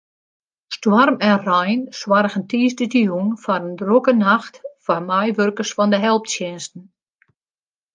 Stoarm en rein soargen tiisdeitejûn foar in drokke nacht foar meiwurkers fan de helptsjinsten.